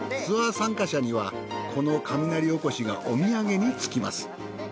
ツアー参加者にはこの雷おこしがお土産につきます。